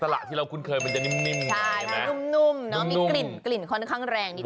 สละที่เราคุ้นเคยหนังเงินมีกลิ่นค่อนข้างแรงดินะคะ